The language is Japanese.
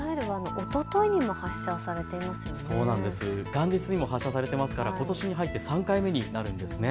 元日にも発射されていますからことしに入って３回目になるんです。